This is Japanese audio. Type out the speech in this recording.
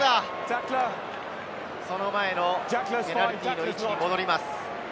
その前のペナルティーの位置に戻ります。